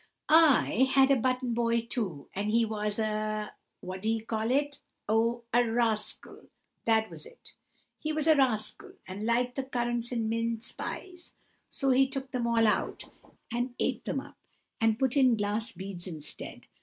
"I had a button boy too, and he was a—what d'ye call it—oh, a rascal, that was it;—he was a rascal, and liked the currants in mince pies, so he took them all out, and ate them up, and put in glass beads instead.